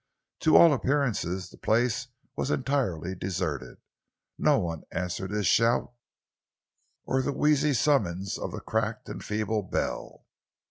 To all appearances the place was entirely deserted. No one answered his shout, or the wheezy summons of the cracked and feeble bell.